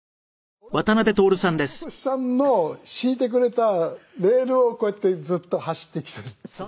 「俺はずっと雅俊さんの敷いてくれたレールをこうやってずっと走ってきているっていう」